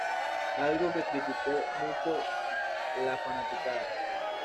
Algo que critico mucho la fanaticada.